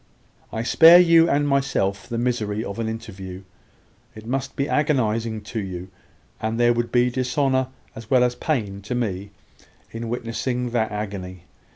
"I spare you and myself the misery of an interview. It must be agonising to you, and there would be dishonour as well as pain to me, in witnessing that agony.